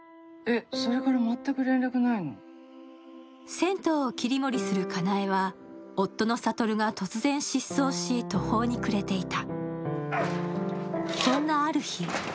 銭湯を切り盛りする・かなえは、夫の悟が突然失踪し、途方に暮れていた。